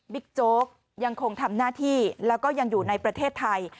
โจ๊กยังคงทำหน้าที่แล้วก็ยังอยู่ในประเทศไทย